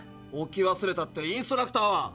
置き忘れたってインストラクターは？